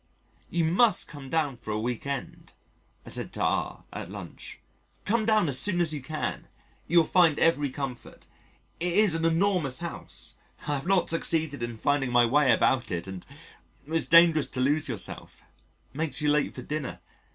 "You must come down for a week end," I said to R at lunch. "Come down as soon as you can. You will find every comfort. It is an enormous house I have not succeeded in finding my way about it and it's dangerous to lose yourself makes you late for dinner.